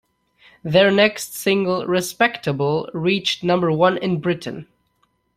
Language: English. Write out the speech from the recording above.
Their next single "Respectable" reached number one in Britain.